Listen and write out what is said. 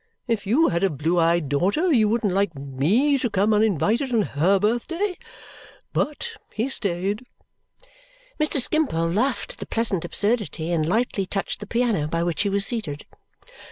If you had a blue eyed daughter you wouldn't like ME to come, uninvited, on HER birthday?' But he stayed." Mr. Skimpole laughed at the pleasant absurdity and lightly touched the piano by which he was seated.